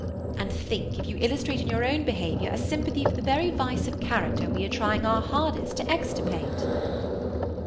And think if you illustrate in your own behaviour a sympathy for the very vice of character we are trying our hardest to extirpate!"